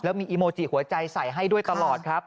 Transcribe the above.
มีอีโมจิหัวใจใส่ให้ด้วยตลอดครับ